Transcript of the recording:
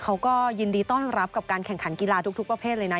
เขาก็ยินดีต้อนรับกับการแข่งขันกีฬาทุกประเภทเลยนะ